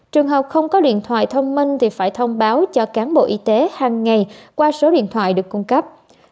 trường hợp không có điện thoại thông minh thì phải thông báo cho cán bộ y tế hàng ngày qua số điện thoại được cung cấp